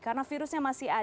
karena virusnya masih ada